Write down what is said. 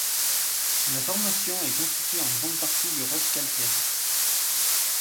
La formation est constituée en grande partie de roches calcaires.